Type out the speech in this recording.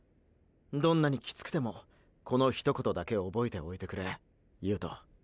どんなにキツくてもこの一言だけ憶えておいてくれ悠人。